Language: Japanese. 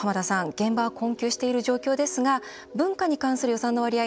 現場は困窮している状況ですが文化に関する予算の割合